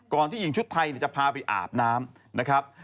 ที่หญิงชุดไทยจะพาไปอาบน้ำนะครับ